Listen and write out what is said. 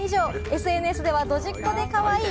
ＳＮＳではドジっ子でカワイイ！